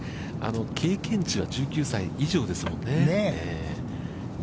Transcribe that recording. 経験値は１９歳以上ですもんね。